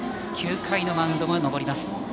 ９回のマウンドにも上ります。